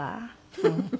フフフフ。